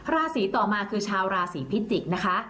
ราศีต่อมาคือชาวราศีพิจิกษ์นะคะ